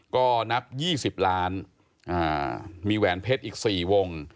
ก็นับ๒๐ล้านมีแหวนเพชรอีก๔วง